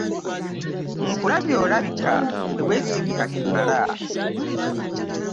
Nkulabye olabika teweesigika kimala.